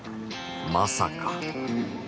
まさか？